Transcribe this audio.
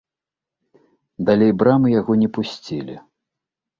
Далей брамы яго не пусцілі.